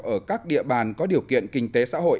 ở các địa bàn có điều kiện kinh tế xã hội